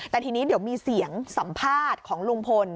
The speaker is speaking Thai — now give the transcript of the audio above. แต่ทีนี้เดี๋ยวมีเสียงสัมภาษณ์ของลุงพล